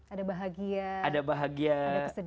ada bahagia ada kesedihan